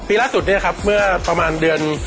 ล่าสุดเนี่ยครับเมื่อประมาณเดือน